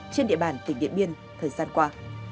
trên địa bàn tỉnh điện biên thời gian qua